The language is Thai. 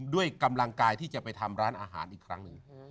ด้วยกำลังกายที่จะไปทำร้านอาหารอีกครั้งหนึ่ง